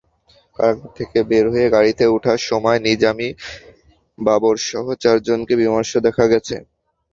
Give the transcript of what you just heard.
কারাগার থেকে বের হয়ে গাড়িতে ওঠার সময় নিজামী-বাবরসহ চারজনকে বিমর্ষ দেখা গেছে।